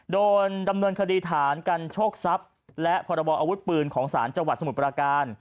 โดนดำเนินคดีฐานกันโชคทรัพย์และพรบออาวุธปืนของศาลจังหวัดสมุทรปราการ